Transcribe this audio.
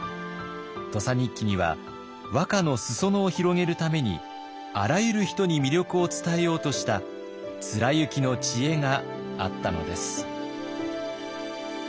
「土佐日記」には和歌の裾野を広げるためにあらゆる人に魅力を伝えようとした貫之の知恵があったのです。